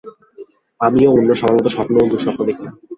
আমিও অন্য সবার মতো স্বপ্ন ও দুঃস্বপ্ন দেখি!